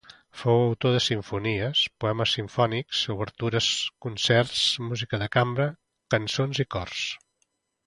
Fou autor de simfonies, poemes simfònics, obertures, concerts, música de cambra, cançons i cors.